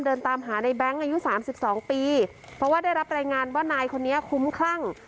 เดินตามหาในแบงค์อายุสามสิบสองปีเพราะว่าได้รับรายงานว่านายคนนี้คุ้มคลั่ง